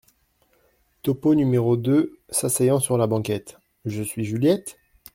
Topeau , n° deux, s’asseyant sur la banquette. — Je suis Juliette ?